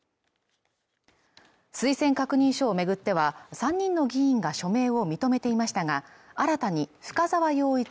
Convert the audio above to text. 推薦確認書をめぐっては３人の議員が署名を認めていましたが新たに深沢陽一